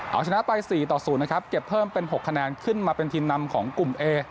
เอาชนะไป๔ต่อ๐นะครับเก็บเพิ่มเป็น๖คะแนนขึ้นมาเป็นทีมนำของกลุ่มเอ